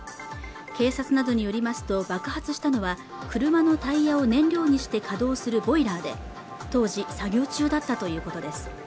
警察などによりますと爆発したのは車のタイヤを燃料にして稼働するボイラーで当時作業中だったということです